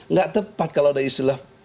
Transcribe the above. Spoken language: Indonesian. nggak tepat kalau ada istilah